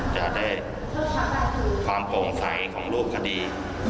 จะได้ความโปร่งใสของรูปคดี